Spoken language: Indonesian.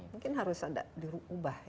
mungkin harus ada diubah